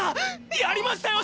やりましたよ少尉！